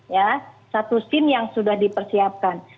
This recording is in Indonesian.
ya satu scene yang sudah dipersiapkan